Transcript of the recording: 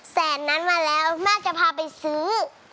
แสนนั้นมาแล้วแม่จะพาไปซื้อ